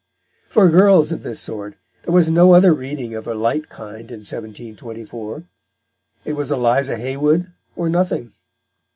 For girls of this sort there was no other reading of a light kind in 1724. It was Eliza Haywood or nothing.